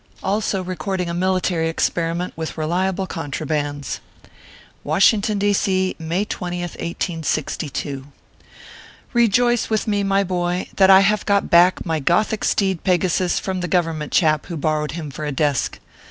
ALSO RECORDING A MILITARY EXPERIMENT WITH RELIABLE CONTRABANDS. WASHINGTON, D. C., May 20th, 1862. KEJOICE with me, my boy, that I have got back my gothic steed, Pegasus, from the Government chap who borrowed him for a desk.